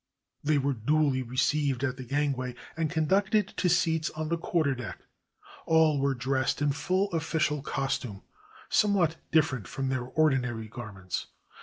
They were duly received at the gangway and conducted to seats on the quarter deck. All were dressed in full official costume, somewhat different from their ordinary garments.